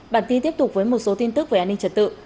bản tin tiếp tục với một số tin tức về an ninh trật tự